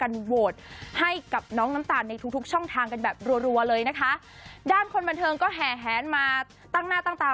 รัวเลยนะคะด้านคนบันเทิงก็แห่มาตั้งหน้าตั้งตา